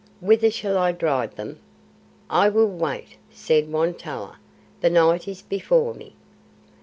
Whither shall I drive them?" "I will wait," said Won tolla. "The night is before me."